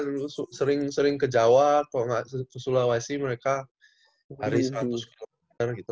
emang sering sering ke jawa kalau gak ke sulawesi mereka lari seratus kilometer gitu